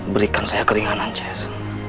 berikan saya keringanan jesse